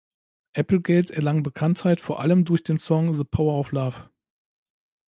Applegate erlang Bekanntheit vor allem durch den Song "The Power Of Love".